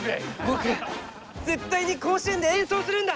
僕絶対に甲子園で演奏するんだ！